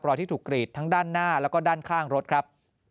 ที่ถูกกรีดทั้งด้านหน้าแล้วก็ด้านข้างรถครับ